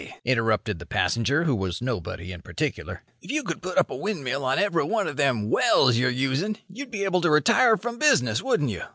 interrupted the passenger who was nobody in particular, "if you could put up a windmill on every one of them 'wells' you're using, you'd be able to retire from business, wouldn't you?"